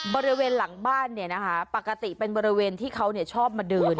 บริเวณหลังบ้านปกติเป็นบริเวณที่เขาชอบมาเดิน